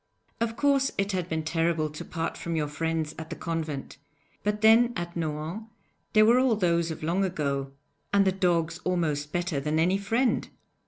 Of course it had been terrible to part from your friends at the convent, but then at Nohant there were all those of long ago and the dogs almost better than any friend!